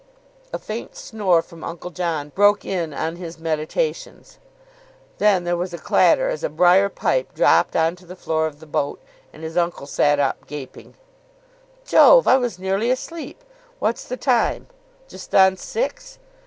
A faint snore from Uncle John broke in on his meditations. Then there was a clatter as a briar pipe dropped on to the floor of the boat, and his uncle sat up, gaping. "Jove, I was nearly asleep. What's the time? Just on six?